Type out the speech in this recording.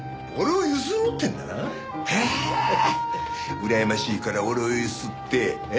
うらやましいから俺をゆすってええ？